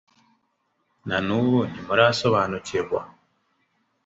na n’ubu ntimurasobanukirwa